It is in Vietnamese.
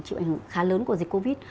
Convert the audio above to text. chịu ảnh hưởng khá lớn của dịch covid